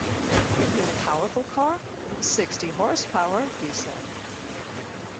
"It was a powerful car?" "Sixty horse-power," he said.